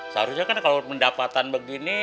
seharusnya kan kalau pendapatan begini